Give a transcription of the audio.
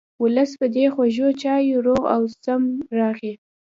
ولس په دې خوږو چایو روغ او سم راغی.